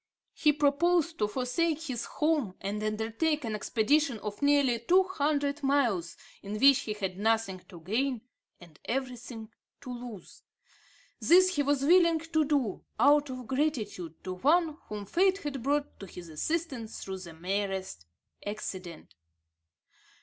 He proposed to forsake his home and undertake an expedition of nearly two hundred miles, in which he had nothing to gain and everything to lose. This he was willing to do, out of gratitude to one whom fate had brought to his assistance through the merest accident.